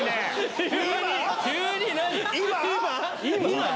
今？